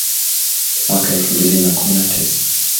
mwaka elfu mbili na kumi na tisa